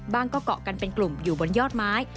เกาะกันเป็นกลุ่มอยู่บนยอดไม้